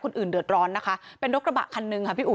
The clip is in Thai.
เดือดร้อนนะคะเป็นรถกระบะคันหนึ่งค่ะพี่อุ๋